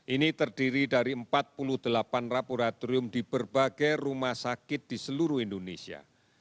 ini terdiri dari empat puluh delapan laboratorium di berbagai rumah sakit di seluruh indonesia